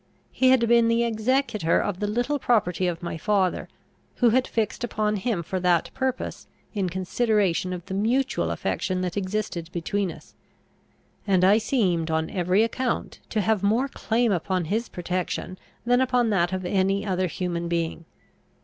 He had been the executor of the little property of my father, who had fixed upon him for that purpose in consideration of the mutual affection that existed between us; and I seemed, on every account, to have more claim upon his protection than upon that of any other human being.